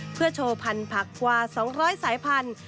เพื่อโชว์พันธุ์ผักกว่า๒๐๐สายพันธุ